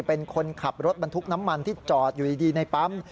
เป็นคนขับรถบรรทุกน้ำมันที่จอดอยู่ดีในปั๊ม